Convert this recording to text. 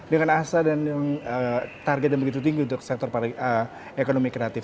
dengan asa dan target yang begitu tinggi untuk sektor ekonomi kreatif